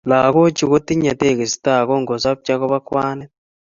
Lagochu kotinyei tegisto ako ngosobcho kobo kwanit